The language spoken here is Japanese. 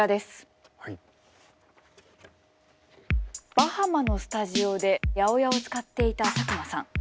バハマのスタジオで８０８を使っていた佐久間さん。